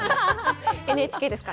ＮＨＫですから。